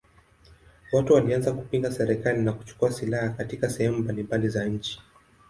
Watu walianza kupinga serikali na kuchukua silaha katika sehemu mbalimbali za nchi.